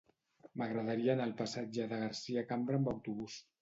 M'agradaria anar al passatge de Garcia Cambra amb autobús.